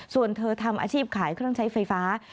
ส่วนเธอทำอาชีพขายเครื่องใช้ไฟฟ้า